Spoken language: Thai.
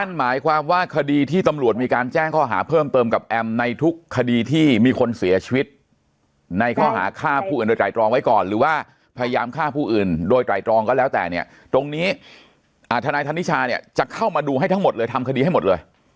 หมายความว่าคดีที่ตำรวจมีการแจ้งข้อหาเพิ่มเติมกับแอมในทุกคดีที่มีคนเสียชีวิตในข้อหาฆ่าผู้อื่นโดยไตรตรองไว้ก่อนหรือว่าพยายามฆ่าผู้อื่นโดยไตรตรองก็แล้วแต่เนี่ยตรงนี้ทนายธนิชาเนี่ยจะเข้ามาดูให้ทั้งหมดเลยทำคดีให้หมดเลย